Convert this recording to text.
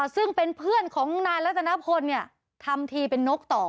ซึ่งเป็นเพื่อนของนายรัตนพลทำทีเป็นนกต่อ